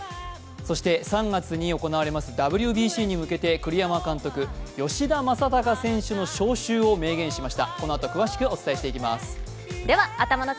そして３月に行われますＷＢＣに向けて栗山監督、吉田正尚選手の招集を明言しました。